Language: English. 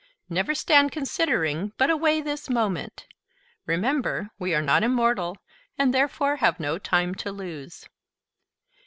Never stand considering, but away this moment. Remember, we are not immortal, and therefore have no time to lose.